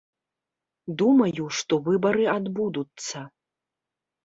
Думаю, што выбары адбудуцца.